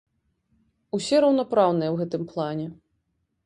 Усе раўнапраўныя ў гэтым плане.